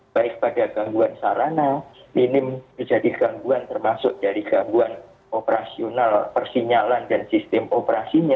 baik pada gangguan sarana minim terjadi gangguan termasuk dari gangguan operasional persinyalan dan sistem operasinya